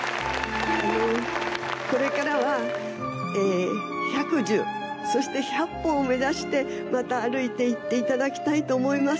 これからは百寿そして百歩を目指してまた歩いていっていただきたいと思います。